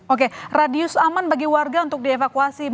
oke radius aman bagi warga untuk dievakuasi